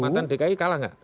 mantan dki kalah gak